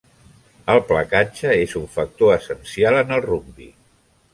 El placatge és un factor essencial en el rugbi.